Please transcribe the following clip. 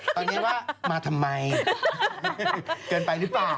ตอนนี้ว่ามาทำไมเกินไปหรือเปล่า